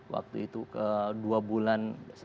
waktu itu ke dua bulan